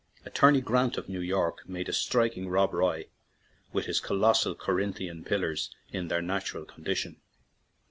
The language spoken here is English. Attorney Grant, of New York, made a striking "Rob Roy/' with his colossal Corinthian pillars in their natural con dition.